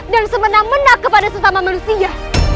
dan semena mena kepada sesama manusia